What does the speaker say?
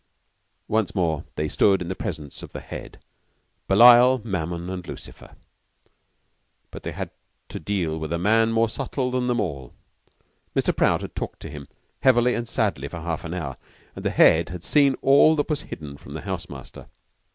Once more they stood in the presence of the Head Belial, Mammon, and Lucifer. But they had to deal with a man more subtle than them all. Mr. Prout had talked to him, heavily and sadly, for half an hour; and the Head had seen all that was hidden from the house master.